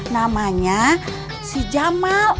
namanya si jamal